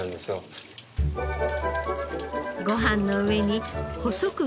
ご飯の上に細く切った身。